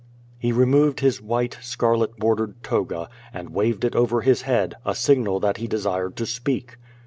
He removed his white, scarlet bordered toga, and waved it over his head, a signal that he desired to speak.